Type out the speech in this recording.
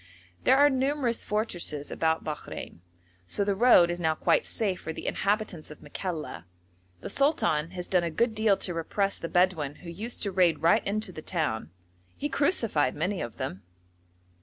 There are numerous fortresses about Bakhrein, so the road is now quite safe for the inhabitants of Makalla; the sultan has done a good deal to repress the Bedouin who used to raid right into the town. He crucified many of them.